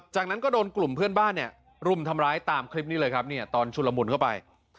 จากนั้นก็โดนกลุ่มเพื่อนบ้านเนี่ยรุมทำร้ายตามคลิปนี้เลยครับเนี่ยตอนชุลมุนเข้าไป